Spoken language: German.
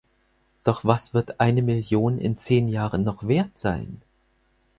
Doch was wird eine Million in zehn Jahren noch Wert sein?